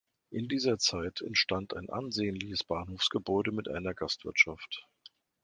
In dieser Zeit entstand ein ansehnliches Bahnhofsgebäude mit einer Gastwirtschaft.